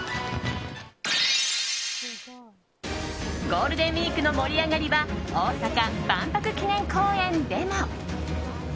ゴールデンウィークの盛り上がりは大阪・万博記念公園でも。